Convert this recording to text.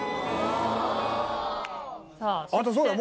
あとそうだよ。